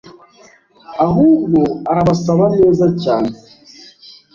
ahubwo arabasaba neza cyane